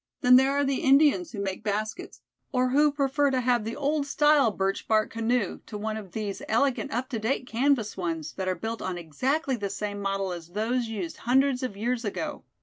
Then there are the Indians who make baskets: or who prefer to have the old style birch bark canoe, to one of these elegant up to date canvas ones, that are built on exactly the same model as those used hundreds of years ago.